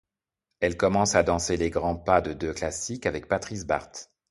Elle commence à danser les grands pas de deux classiques avec Patrice Bart.